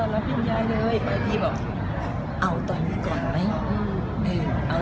คุณยายบอกคือ